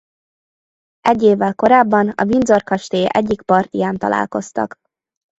Egy évvel korábban a Windsor-kastély egyik partiján találkoztak.